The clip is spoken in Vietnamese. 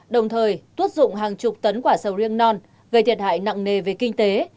đồng thời tuốt dụng hàng chục tấn quả sầu riêng non gây thiệt hại nặng nề về kinh tế